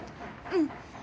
うん！